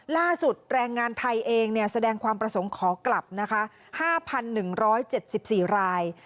ล่าสุดแรงงานไทยเองแสดงความประสงค์ขอกลับ๕๑๗๔ราย